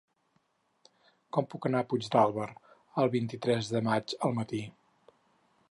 Com puc anar a Puigdàlber el vint-i-tres de maig al matí?